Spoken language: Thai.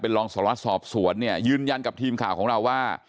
เป็นลองสหรัฐสอบสวนยืนยันกับทีมข่าวของเราว่า